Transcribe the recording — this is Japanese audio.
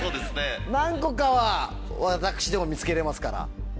何個かは私でも見つけれますから。